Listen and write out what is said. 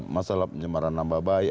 masalah pencemaran nama baik